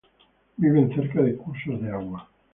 Viven cerca de cursos de agua.